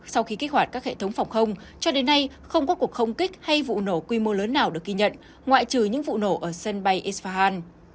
sau khi kích hoạt các hệ thống phòng không cho đến nay không có cuộc không kích hay vụ nổ quy mô lớn nào được ghi nhận ngoại trừ những vụ nổ ở sân bay isfahan